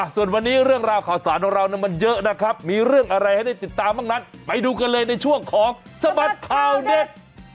ส่วนวันนี้เรื่องราวข่าวสารของเรามันเยอะนะครับมีเรื่องอะไรให้ได้ติดตามบ้างนั้นไปดูกันเลยในช่วงของสบัดข่าวเด็ด